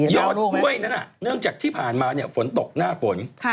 ห้วยนั้นเนื่องจากที่ผ่านมาฝนตกหน้าฝน